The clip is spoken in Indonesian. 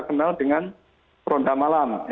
kenal dengan peronda malam